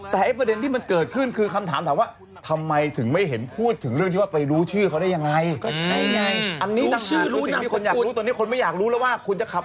แต่ประเด็นที่มันเกิดขึ้นคือคำถามถามว่า